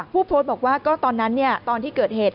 ผู้โพสต์บอกว่าก็ตอนนั้นตอนที่เกิดเหตุ